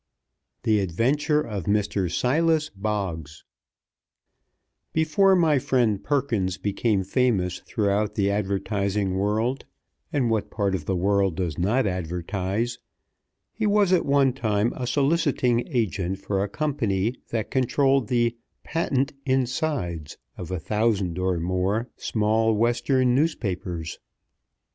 THE ADVENTURE OF MR. SILAS BOGGS BEFORE my friend Perkins became famous throughout the advertising world, and what part of the world does not advertise, he was at one time a soliciting agent for a company that controlled the "patent insides" of a thousand or more small Western newspapers.